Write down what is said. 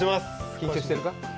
緊張してるか？